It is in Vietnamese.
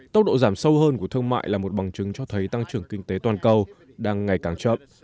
tốc độ giảm sâu hơn của thương mại là một bằng chứng cho thấy tăng trưởng kinh tế toàn cầu đang ngày càng chậm